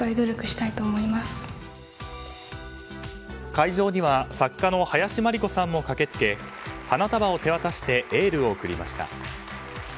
会場には作家の林真理子さんも駆けつけ花束を手渡してエールを送りました。